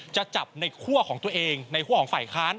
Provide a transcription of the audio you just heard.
จะจับในคั่วของตัวเองในคั่วของฝ่ายค้าน